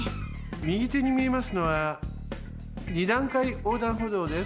みぎてにみえますのは二段階横断歩道です。